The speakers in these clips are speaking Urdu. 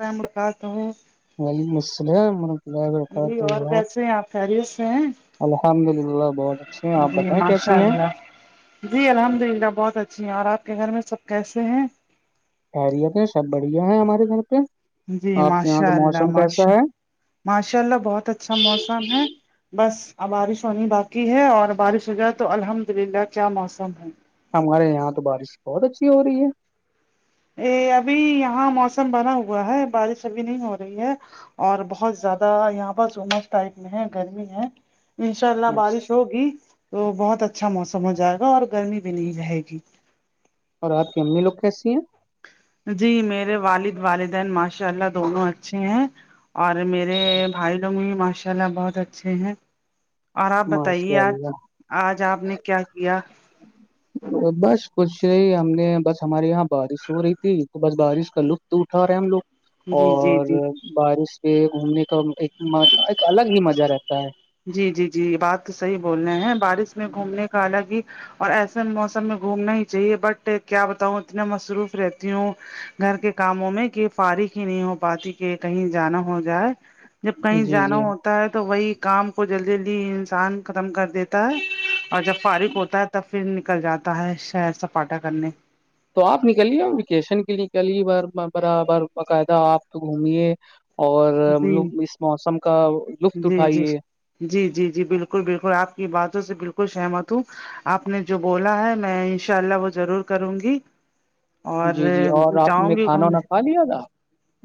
رہمکتاوہو وعلیکم السلام اللہ جی اور وبرکاتہ کیسے ہیں آپ خیریت سے ہیں الحمد للہ بہت اچھے ہیں آپ جی بتائیں ماشاء کیسی ہیں اللہ جی الحمد للہ بہت اچھی ہیں اور آپ کے گھر میں سب کیسے ہیں خیریت ہے سب بڑھیا ہے ہمارے گھر پہ جی آپ کے یہاں کا ماشاء اللہ موسم کیسا ماشاء ہے ماشاء اللہ بہت اچھا موسم ہے بس بارش ہونی باقی ہے اور بارش ہو جائے تو الحمد للہ کیا موسم ہے ہمارے یہاں تو بارش بہت اچھی ہو رہی ہے یہ ابھی یہاں موسم بنا ہوا ہے بارش ابھی نہیں ہو رہی ہے اور بہت زیادہ یہاں پر سومر ٹائپ میں ہے گرمی ہے انشاء اللہ ہے بارش ہوگی تو بہت اچھا موسم ہو جائے گا اور گرمی بھی نہیں رہے گی اور آپ کی امی لوگ کیسی ہیں جی میرے والد والدین ماشاء اللہ دونوں اچھے ہیں اور میر مے بھائی لوگ بھی ماشاء اللہ بہت اچھے ہیں اور آپ بتائیے ماشاء آج اللہ آج آپ نے کیا کیا بس بس کچھ نہیں ہم نے بس ہمارے یہاں بارش ہو رہی تھی تو بس بارش کا لطف اٹھا رہے ہیں ہم لوگ جی جی اور جی بارش میں گھومنے کا ایک الگ ہی مزہ رہتا ہے جی جی جی بات تو صحیح بول رہے ہیں بارش میں گھومنے کا حالگہ اور ایسے موسم میں گھومنا ہی چاہیے بٹ کیا بتاؤں اتنا مصروف رہتی ہوں گھر کے کاموں میں کہ فارغ ہی نہیں ہو پاتی کہ کہیں جانا ہو جائے جب ہے کہیں جی جانا جی ہوتا ہے تو وہی کام کو جلدی جلدی انسان ختم کر دیتا ہے اور جب فارغ ہوتا ہے تب پھر نکل جاتا ہے شہر سپاٹا کرنے تو آپ نکلیے ویکیشن کے لیے نکلیے ب برابر باقاعدہ آپ تو گھمیے اور جی اس موسم کا لطف جی جی اٹھائیے جی جی جی بالکل بالکل آپ کی باتوں سے بالکل سہمت ہوں آپ نے جو بولا ہے میں انشاء اللہ وہ ضرور کروں گی اور جی جی اور آپ نے جاؤں گی کھانا گھوم وانا کھا لیا تھا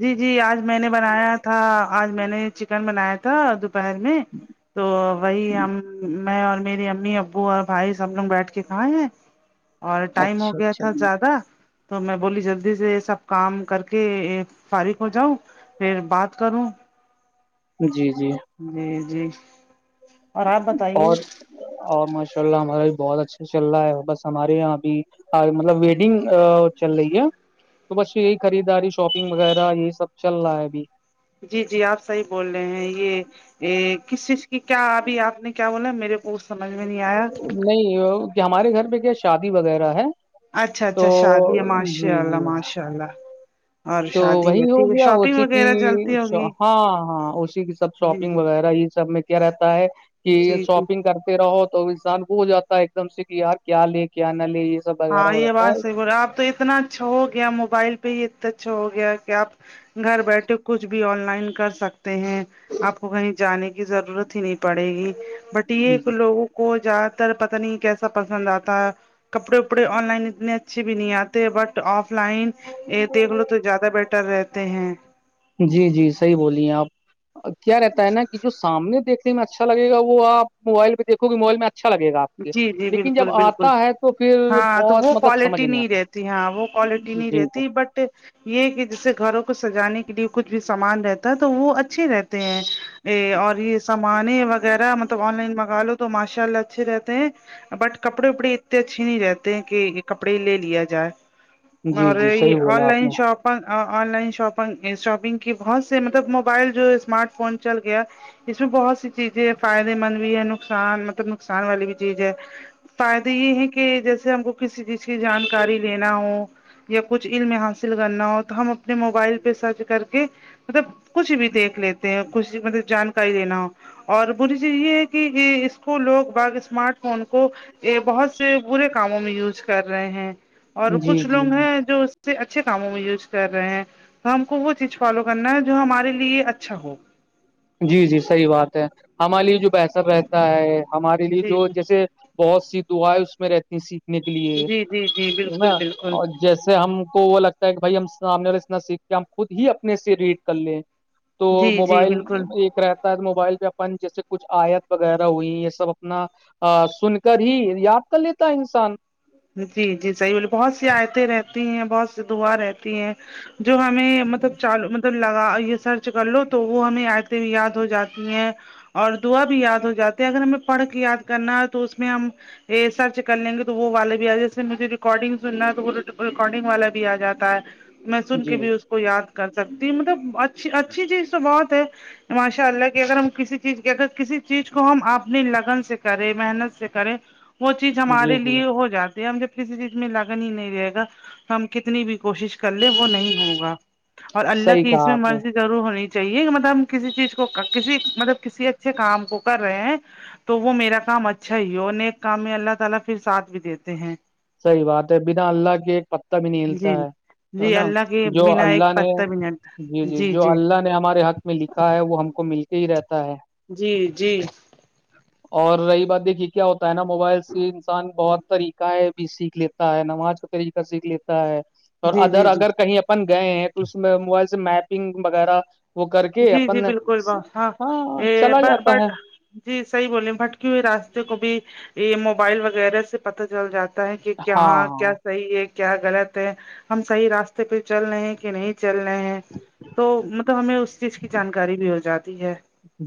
جی جی آج میں نے بنایا تھا آج میں نے چکن بنایا تھا دو پہر میں تو وہی ہم میں اور میری امی ا ابو اور بھائی سب لوگ بیٹھ کے کھائے ہیں اور ٹائم ہو اچھا گیا اچھا تھا جی زیادہ تو میں بولی جلدی سے یہ سب کام کر کے فارغ ہو جاؤں پھر بات کروں جی جی جی جی اور آپ بتائیے اور اور ماشاء اللہ ہمارا بھی بہت اچھا چل رہا ہے بس ہمارے یہاں بھی ہ مطلب ویڈنگ چل رہی ہے تو بس یہی خریداری شاپنگ وغیرہ یہی سب چل رہا ہے ابھی جی جی آپ صحیح بول رہے ہیں یہ ا کس چیز کی کیا ابھی آپ نے کیا بولا میرے کو سمجھ میں نہیں آیا نہیں وہ کہ ہمارے گھر پے کیا شادی وغیرہ ہے اچھا تو جی جی انشاءاللہ تو وہی ہو گیا اوسی کی وغیرہ چلتی ہوگی ہاں ہاں اوسی کی سب جی جی شاپنگ وغیرہ یہ سب میں کیا رہتا ہے کہ جی جی شاپنگ کرتے رہو تو انسان کو ہو جاتا ہے ایک دم سے کہ یار کیا لے کیا نہ لے یہ سب وغیرہ ہاں ہو یہ رہتا بات صحی بول رہے آپ تو اتنا اچھا ہو گیا موبائل پہ ہی اتنا اچھا ہو گیا کہ آپ گھر بیٹھے کچھ بھی آن لائن کر سکتے ہیں آپ کو کہیں جانے کی ضرورت ہی نہیں پڑے گی بٹ یہ ہے لوگوں کو زیادہ تر پتا نہیں کیسا پسند آتا ہے کپڑے وپڑے آن لائن اتنے اچھے بھی نہیں آتے بٹ آف لائن دیکھ لو تو زیادہ بیٹر رہتے ہیں جی جی صحیح بولیے آپ کیا رہتا ہے نا کہ جو سامنے دیکنے اچھا لگ گا وہ آپ موبائل دیکھوں گے موائل میں اچھا لگے گا آپ کے جی جی لیکن بالکل جب بالکل آتا ہے تو پھر ہاں تو وہ بہت مطلب سمجھ کوالٹی نہیں آتا رہتی ہاں وہ کوالٹی نہیں جی رہتی جی بٹ یہ کہ جیسے گھروں کو سجانے کے لیے کچھ بھی سامان رہتا ہے تو وہ اچھے رہتے ہیں ا اور یہ سامانے وغیرہ مطلب آن لائن منگا لو تو ماشاء اللہ اچھے رہتے بٹ کپڑے وپڑے اتنے اچھے نہیں رہتے ہیں کہ کپڑے لے لیا جائے جی اور جی صحیح یہ آن بولا آپ لائن نے شاپ آن لائن شاپن شاپنگ کی بہت سے مطلب موبائل جو اسمارٹ فون چل گیا اس میں بہت سی چیزیں فائدے مند بھی ہے نقصان مطلب نقصان والی بھی چیز ہے فائدے یہ ہیں کہ جیسے ہم کو کسی چیز کی جانکاری لینا ہو یا کچھ علم حاصل کرنا ہو تو ہم اپنے موبائل پہ سرچ کر کے مطلب کچھ بھی دیکھ لیتے ہیں کچھ بھی مطلب جانکاری لینا ہو اور بری چیز یہ ہے کہ کو لوگ با اسمارٹ فون کو بہت سے برے کاموں میں یوز کر رہے ہیں اور جی کچھ جی لوگ جی ہے جو اس سے اچھے کاموں میں یوز کر رہے ہیں ہم کو وہ چیز فالو کرنا ہے جو ہمارے لیے اچھا ہو جی جی صحیح بات ہے ہمارے لیے جو بہتر رہتا ہے ہمارے لیے جی جو جیسے بہت سی دعائیں اس میں رہتی ہیں سیکھنے کے لیے جی جی جی جی نا بالکل بالکل اور جیسے ہم کو وہ لگتا ہے بھائی ہم سامنے والا اتنا سیکھ کے ہم خود ہی اپنے سے ریڈ کر لیں تو جی جی موبائل بالکل ایک رہتا ہے موبائل پہ اپن جیسے کچھ آیت وغیرہ ہوئی یہ سب اپنا ا سن کر ہی یاد کر لیتا ہے انسان جی جی صحیح بولے بہت سی آیتیں رہتی ہیں بہت سی دعا رہتی ہیں جو ہمیں مطلب چال مطلب لگا یہ سرچ کر لو تو وہ ہمیں آیتیں یاد ہو جاتی ہیں اور دعا بھی یاد ہو جاتی ہے اگر ہمیں پڑھ کے یاد کرنا ہے تو اس میں ہم یہ سرچ کر لیں گے تو وہ والے جیسے مجھے ریکارڈنگ سننا ہے تو وہ ریکارڈنگ والا بھی آ جاتا ہے میں سن کے جی بھی اس کو یاد کر سکتی ہے مطلب اچھی اچھی چیز تو بہت ہے ماشاء اللہ کہ اگر ہم کسی چیز کے اگر کسی چیز کو ہم اپنی لگن سے کریں محنت سے کریں وہ چیز جی ہمارے جی لیے ہو جاتی ہم جب کسی چیز میں لگن ہی نہیں رہے گا ہم کتنی بھی کوشش کر لیں وہ نہیں ہوگا اور اللہ صحیح کی اس کہا میں آپ نے مرضی ضرور ہونی چاہیے مطلب ہم کسی چیز کو کسی مطلب کسی اچھے کام کو کر رہے ہیں تو وہ میرا کام اچھا ہی ہے اور نیک کام میں اللہ تعالی پھر ساتھ بھی دیتے ہیں صحیح بات ہے بنا اللہ کے ایک پتا بھی نہیں ہلتا جی ہے ہے جی نا اللہ کے جو بنا اللہ ایک نے پتا بھی جی نہیں جی جو اللہ نے نے ہمارے حق میں لکھا ہے وہ ہم کو مل کے ہی رہتا ہے جی جی اور رہی بات دیکھیے کیا ہوتا ہے نا موبائل سے انسان بہت طریقہ بھی سیکھ لیتا ہے نماز کو طریقہ سیکھ لیتا ہے اور جی اگر جی جی اگر کہیں آپن گئے ہیں تو اس میں موبائل سے میپنگ وغیرہ وہ کر کے جی جی آپن بالکل ہاں چلا جاتا ہے بٹ جی صحیح بولے بھٹکے ہوئی راستے کو بھی یہ موبائل وغیرہ سے پتہ چل جاتا ہے کہ ہاں کہاں ہاں کیا صحیح ہے کیا غلط ہے ہم صحیح راستے پہ چل رہے ہیں کہ نہیں چل رہے ہیں تو مطلب ہمیں اس چیز کی جانکاری بھی ہو جاتی ہے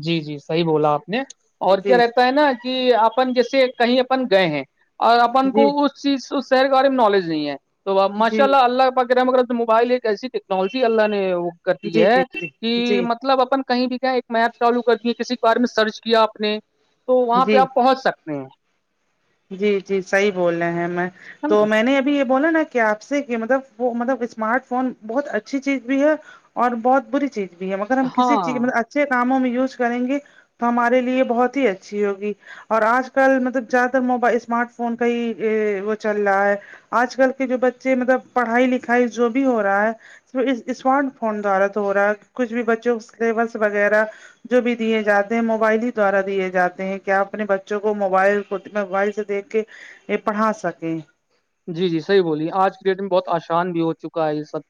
جی جی صحیح بولا آپ نے اور کیا جی رہتا ہے نا کہ اپن جیسے کہیں اپن گئے ہیں اور اپن جی کو اس چیز اس شہر کے بارے میں نالج نہیں ہے تو ماشاء جی جی اللہ اللہ پاک کا رحم و کرام موبائل ایک ایسی ٹیکنالوجی اللہ نے وہ کر دی جی ہے کہ جی مطلب اپن کہیں بھی گئے میپ چالو کر دیے کسی بارے میں سرچ کیا آپ نے تو جی وہاں پہ جی آپ پہنچ سکتے ہیں جی جی صحیح بول رہے ہیں میں ہے تو نا میں نے ابھی یہ بولا نا کہ آپ سے کہ مطلب وہ مطلب اسمارٹ فون بہت اچھی چیز بھی ہے اور بہت بری چیز بھی ہے مگر ہم کسی چیز ہاں مطلب اچھے کاموں میں یوز کریں گے تو ہمارے لیے بہت ہی اچھی ہوگی اور آج کل مطلب زیادہ تر موبائل اسمارٹ فون کا ہی یے وہ چل رہا ہے آج کل کے جو بچے مطلب پڑھائی لکھائی جو بھی ہو رہا ہے اسمارٹ فون دوارا تو رہا ہے کچھ بھی بچوں کو سلیبس وغیرہ جو بھی دیے جاتے ہیں موبائل ہی دوارا دیے جاتے ہیں کیا اپنے بچوں کو موبائل خود موبائل سے دیکھ کے یہ پڑھا سکیں جی جی صحیح بولیے آج کے ڈیٹ میں بہت آسان بھی ہو چکا ہے یہ سب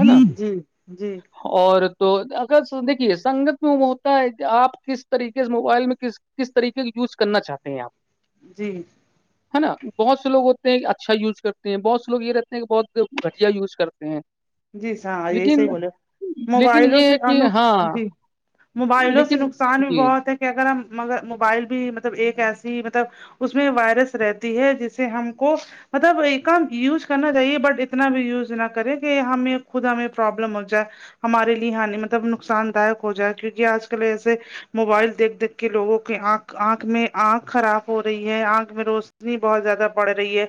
ہے نا جی اور تو اگر دیکھیے سنگت میں ہوتا ہے آپ کس طریقے سے موبائل میں کس کس طریقے کا یوز کرنا چاہتے ہیں آپ جی ہے نا بہت سے لوگ ہو تے ہیں اچھا یوز کرتے ہیں بہت سے لوگ یہ رہتے ہیں کہ بہت گھٹیا یوز کرتے ہیں جی سا یہی لیکن صحیح بولے لیکن موبائلوں یہ سے ہے کہ ان ہاں جی موبائلوں سے لیکن نقصان بھی جی بہت ہے کہ اگر ہم مگر موبائل بھی مطلب ایک ایسی مطلب اس میں وائرس رہتی ہے جسے ہم کو مطلب ایک کام یوز کرنا چاہیے بٹ اتنا بھی یوز نہ کرے کہ ہمیں خود ہمیں پرابلم ہو جائے ہمارے لیے ہانی مطلب نقصان دایک ہو جائے کیونکہ آج کل ایسے موبائل دیکھ دیکھ کے لوگوں کے آنکھ آنکھ میں آنکھ خراب ہو رہی ہے آنکھ میں روز روشنی بہت زیادہ بڑ رہی ہے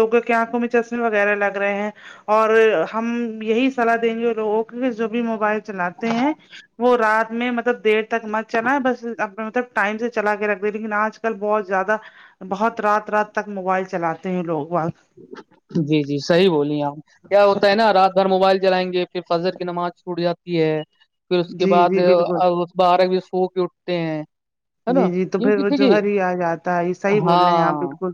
لوگوں کی آنکھوں میں چشمے وغیرہ لگ رہے ہیں اور ہم یہی صلاح دیں گے لوگوں کی جو بھی موبائل چلاتے ہیں وہ رات میں مطلب دیر تک مت چلا ہے بس مطلب ٹائم سے چلا کے رکھ دے لیکن آج کل بہت زیادہ بہت رات رات تک موبائل چلاتے ہیں لوگ وقت جی جی صحیح بولیے آپ کیا ہوتا ہے نا رات بھر موبائل جلائیں گے پھر فجر کی نماز چھوٹ جاتی ہے پھر اس کے جی بعد جی بالکل بارہ بجے سو کے اٹھتے ہیں ہے جی نا جی تو پھر کیونکہ وہ دیکھیے جوہر ہی آ جاتا ہے یہ صحیح بول رہے ہیں آپ ہاں بالکل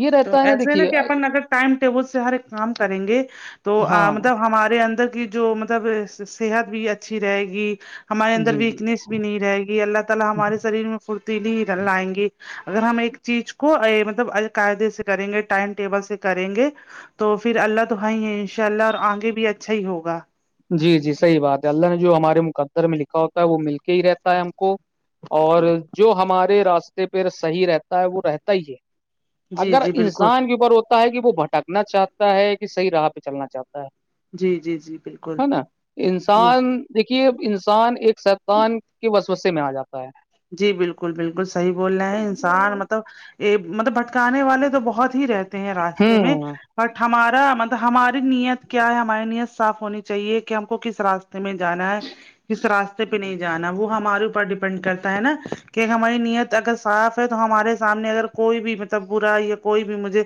یہ رہتا ہے نہ دیکھیے کے اپن اگر ٹائم ٹیبل سے ہر ایک کام کریں گے تو ہاں مطلب ہمارے اندر کی جو مطلب صحت بھی اچھی رہے گی ہمارے اندر جی جی ویکنیس بھی نہیں رہے گی اللہ تعالی ہمارے شریر میں پھرتیلی لائیں گی اگر ہم ایک چیز کو مطلب قاعدے سے کریں گے ٹائم ٹیبل سے کریں گے تو پھر اللہ تو ہے ہی ہے ان شاء اللہ اور آگے بھی اچھا ہی ہوگا جی جی صحیح بات ہے اللہ نے جو ہمارے مقدر میں لکھا ہوتا ہے وہ مل کے ہی رہتا ہے ہم کو اور جو ہمارے راستے پہ صحیح رہتا ہے وہ رہتا ہی ہے جی اگر جی بالکل انسان کے اوپر ہوتا ہے کہ وہ بھٹکنا چاہتا ہے کہ صحیح راہ پہ چلنا چاہتا ہے جی جی جی بالکل ہے نا یہ انسان دیکھیے انسان ایک سطان کے بس میں آ جاتا ہے جی بالکل بالکل صحیح بول رہے ہیں انسان مطلب یہ مطلب بھٹکانے والے تو بہت ہی رہتے ہیں راستے میں ہوں بٹ ہمارا مطلب ہماری نیت کیا ہے ہماری نیت صاف ہونی چاہیے کہ ہم کو کس راستے میں جانا ہے کس راستے پہ نہیں جانا وہ ہمارے اوپر ڈیپینڈ کر ہے نا کہ ہماری نیت اگر صاف ہے تو ہمارے سامنے اگر کوئی بھی مطلب برا یا کوئی بھی مجھے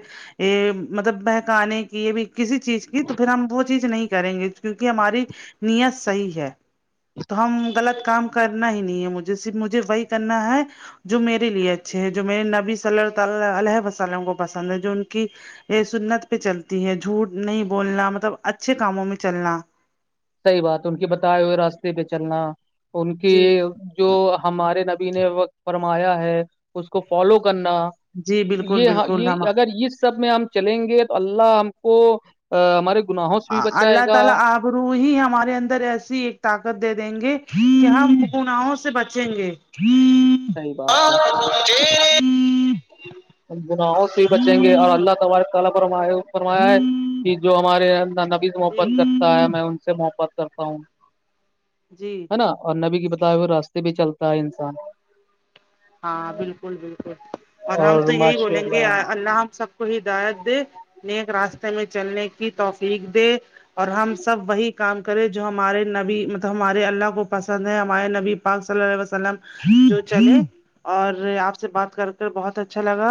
مطلب مہکانے کی یہ بھی کسی چیز کی تو پھر ہم وہ چیز نہیں کریں گے کیونکہ ہماری نیت صحیح ہے تو ہم غلط کام کرنا ہی نہیں ہے مجھے صرف مجھے وہی کرنا ہے جو میرے لیے اچھے ہیں جو میرے نبی صلی اللہ تعالی علیہ وسلم کو پسند ہے جو ان کی یہ سنت پہ چلتی ہے جھوٹ نہیں بولنا مطلب اچھے کاموں میں چلنا صحیح بات ان کے بتائے ہوئے راستے پہ چلنا ان کی جی جو ہمارے نبی نے وقت فرمایا ہے اس کو فالو کرنا جی بالکل یہ ہاں بالکل ہم یہ اگر یہ سب میں ہم چلیں گے تو اللہ ہم کو ہمارے گناہوں سے بھی بچائے گا روہی ہمارے اندر ایسی ایک طاقت دے دیں گے کہ ہم گناہوں سے بچیں گے [unintelligible] صحیح بات ہے [unintelligible] گناوں ہی بچیں گے اور اللہ تبارک تعالی فرما آئے ہو فرمایا ہے کہ جو ہمارے اللہ نبی سے محبت کرتا ہے جی میں ان سے محبت کرتا ہوں جی ہے نا اور نبی کے بتائے ہوے راستے پہ چلتا ہے انسان ہاں بالکل بالکل اور ہم تو یہ ہی بولیں گے اللہ ہم سب کو ہدایت دے نیک راستے میں چلنے کی توفیق دے اور ہم سب وہی کام کرے جو ہمارے نبی مطلب ہمارے اللہ کو پسند ہے ہمارے نبی پاک صلی اللہ علیہ وسلم تو چلے اور آپ سے بات کر کر بہت اچھا لگا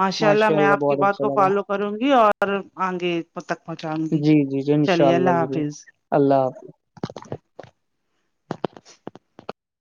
ماشاء اللہ میں آپ کی بہت بات اچھا کو لگا فالو کروں گی اور آگے تک پہنچاؤں گی جی جی جی ان شاء چلیے اللہ ضرور حافظ اللہ حافظ